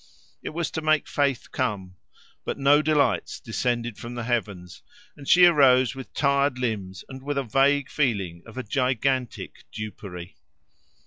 It was to make faith come; but no delights descended from the heavens, and she arose with tired limbs and with a vague feeling of a gigantic dupery.